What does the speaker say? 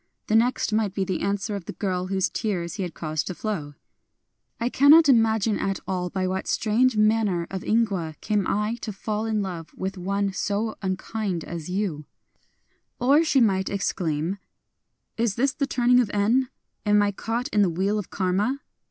The next might be the answer of the girl whose tears he had caused to flow : I cannot imagine at all by what strange manner of ingwa Came I to fall in love with one so unkind as you I Or she might exclaim :— Is this the turning q/" En ?— am I caught in the Wheel of Karma